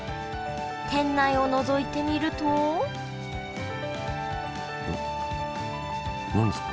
店内をのぞいてみると何ですか？